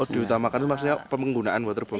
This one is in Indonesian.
oh diutamakan maksudnya pemenggunaan waterbomb